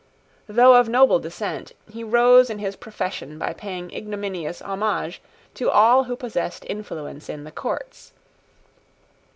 Though of noble descent, he rose in his profession by paying ignominious homage to all who possessed influence in the courts.